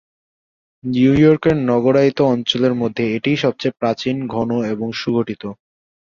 New ইয়র্কের নগরায়িত অঞ্চলের মধ্যে এটিই সবচেয়ে প্রাচীন, ঘন এবং সুগঠিত।